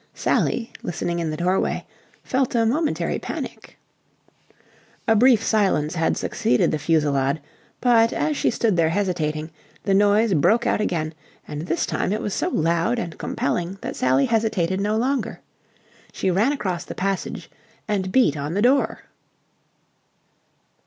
Sally, listening in the doorway, felt a momentary panic. A brief silence had succeeded the fusillade, but, as she stood there hesitating, the noise broke out again; and this time it was so loud and compelling that Sally hesitated no longer. She ran across the passage and beat on the door.